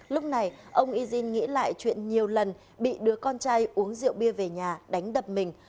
lúc này ông yjin nghĩ lại chuyện nhiều lần bị đưa con trai uống rượu bia về nhà đánh đập mình